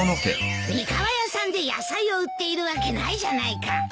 三河屋さんで野菜を売っているわけないじゃないか。